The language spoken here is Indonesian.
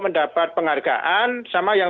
mendapat penghargaan sama yang